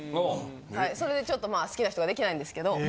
それでちょっとまあ好きな人が出来ないんですけど。